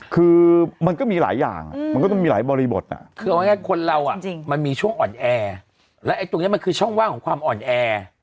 คือมันก็มีหลายอย่างอ่ะมันก็ต้องมีหลายบริบทอ่ะคือว่าไงคนเราอ่ะจริงมันมีช่วงอ่อนแอร์และไอ้ตรงเนี้ยมันคือช่องว่างของความอ่อนแอร์